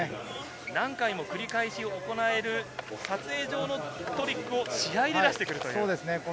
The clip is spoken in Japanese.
何回も繰り返し行える撮影上のトリックを試合で出してくる。